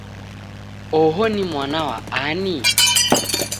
Oho ni mwana wa ani?